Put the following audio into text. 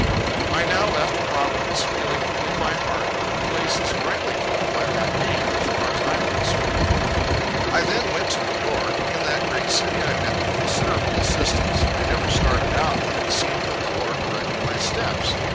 I now left Providence, feeling in my heart that the place is rightly called by that name, as far as I am concerned. I then went to New York. In that great city, I met with considerable assistance. I never started out, but it seemed that the Lord directed my steps.